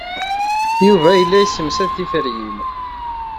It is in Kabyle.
Yuba yella yessemsad tiferyin.